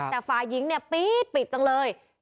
แต่ฝ่ายหญิงเนี่ยปี๊ดปิดจังเลย